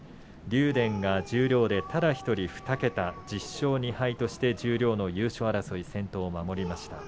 竜電は十両でただ１人２桁１０勝２敗として十両の優勝争い先頭を守りました。